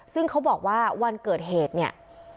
ซึ่งเขาบอกว่าวันเกิดเหตุเนี่ย